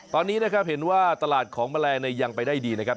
ตอนนี้นะครับเห็นว่าตลาดของแมลงยังไปได้ดีนะครับ